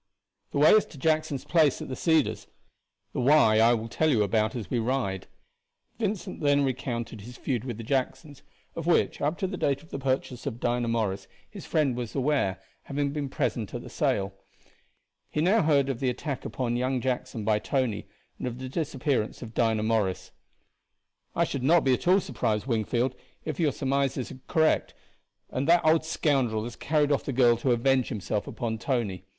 "The way is to Jackson's place at the Cedars, the why I will tell you about as we ride." Vincent then recounted his feud with the Jacksons, of which, up to the date of the purchase of Dinah Morris, his friend was aware, having been present at the sale. He now heard of the attack upon young Jackson by Tony, and of the disappearance of Dinah Morris. "I should not be at all surprised, Wingfield, if your surmises are correct, and that old scoundrel has carried off the girl to avenge himself upon Tony.